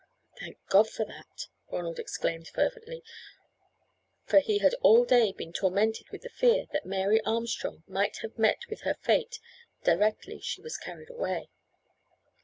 "Thank God for that," Ronald exclaimed, fervently, for he had all day been tormented with the fear that Mary Armstrong might have met with her fate directly she was carried away.